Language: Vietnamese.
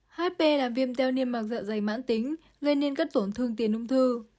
hp làm viêm teo nêm mạc dạ dày mạng tính gây nên các tổn thương tiền ung thư